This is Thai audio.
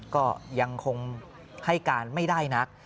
ก็ยังคงให้การไม่ได้นัก